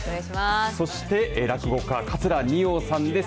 そして落語、家桂二葉さんです。